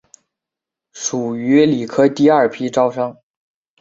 属于理科第二批招生。